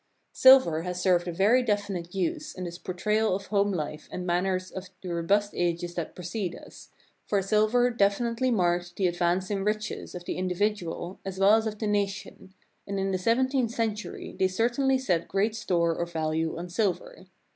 Silver has served a very definite use in this por trayal of home life and manners of the robust ages that precede us, for silver definitely marked the ad vance in riches of the individual as well as of the nation, and in the seventeenth century they certainly set great store or value on silver.